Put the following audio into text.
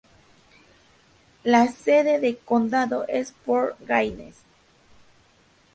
La sede de condado es Fort Gaines.